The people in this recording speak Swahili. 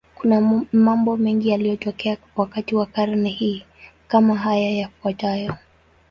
Kuna mambo mengi yaliyotokea wakati wa karne hii, kama haya yafuatayo.